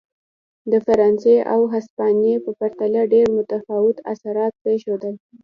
د فرانسې او هسپانیې په پرتله ډېر متفاوت اثرات پرېښودل.